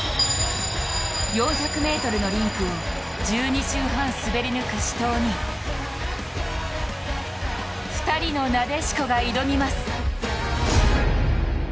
４００ｍのリンクを１２周半滑り抜く死闘に２人のなでしこが挑みます。